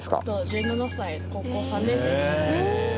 １７歳高校３年生です。